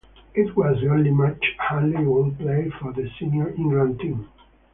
It was the only match Hanley would play for the senior England team.